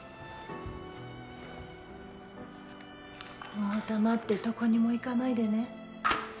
もう黙ってどこにも行かないでね。